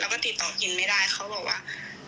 แล้วก็ติดต่อกินไม่ได้เขาบอกว่า